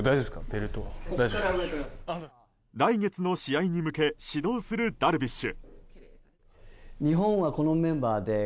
来月の試合に向け始動するダルビッシュ。